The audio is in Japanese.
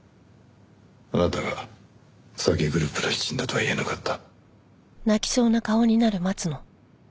あなたが詐欺グループの一員だとは言えなかった。